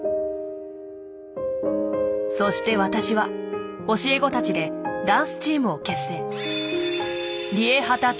そして私は教え子たちでダンスチームを結成。